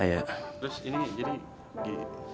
terus ini jadi